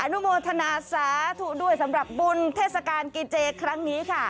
นุโมทนาสาธุด้วยสำหรับบุญเทศกาลกินเจครั้งนี้ค่ะ